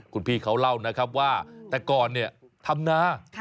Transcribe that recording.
คุณพี่เขาเล่านะครับว่าแต่ก่อนเนี่ยทำนา